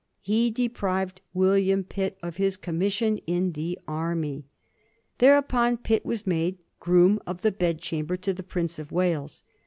He deprived William Pitt of his commission in the army. Thereupon Pitt was made Oroom of the Bedchamber to the Prince of Wales.